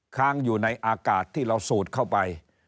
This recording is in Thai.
ค้างอยู่ในอากาศที่เราสูดเข้าไป